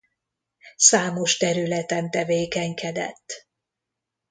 Számos területen tevékenykedett.